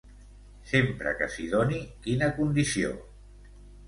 Sempre que s'hi doni quina condició?